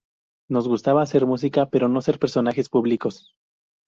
Nos gustaba hacer música pero no ser personajes públicos.